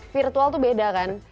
virtual tuh beda kan